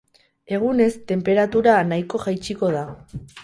Egunez, tenperatura nahiko jaitsiko da.